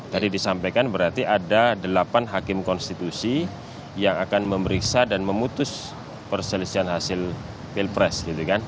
tadi disampaikan berarti ada delapan hakim konstitusi yang akan memeriksa dan memutus perselisihan hasil pilpres